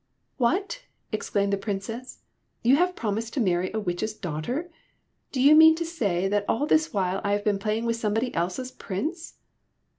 '' What !" exclaimed the Princess; ''you have promised to rnarry a witch's daughter? Do you mean to say that all this while I have been playing with somebody else's Prince?"